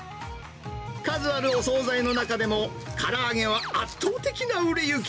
数あるお総菜の中でも、から揚げは圧倒的な売れ行き。